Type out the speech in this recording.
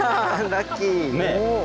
ラッキー！